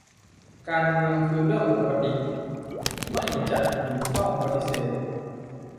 การเมืองคือเรื่องปกติ ไม่จะเห็นต้องปฏิเสธ